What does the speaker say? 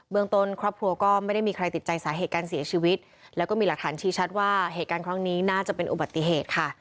เมืองต้นครอบครัวก็ไม่ได้มีใครติดใจสาเหตุการเสียชีวิตแล้วก็มีหลักฐานชี้ชัดว่าเหตุการณ์ครั้งนี้น่าจะเป็นอุบัติเหตุค่ะ